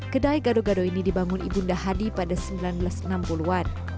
kedai gado gado ini dibangun ibu nda hadi pada seribu sembilan ratus enam puluh an